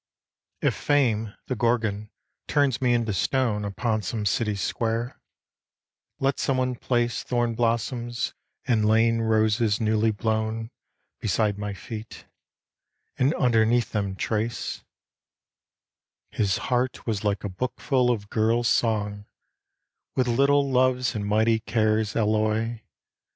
\ H Fame, the Gorgon, turns me into stone Upon some city square, let someone place Thorn blossoms and lane roses newly blown Beside my feet, and underneath them trace : 54 THE SINGER'S MUSE 55 " His heart was like a bookful of girls' song, With little loves and mighty Care's alloy.